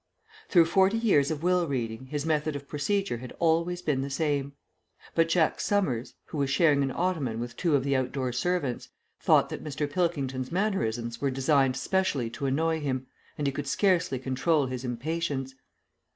Through forty years of will reading his method of procedure had always been the same. But Jack Summers, who was sharing an ottoman with two of the outdoor servants, thought that Mr. Pilkington's mannerisms were designed specially to annoy him, and he could scarcely control his impatience.